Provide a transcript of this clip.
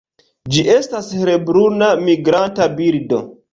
Ĝi estas helbruna migranta birdo.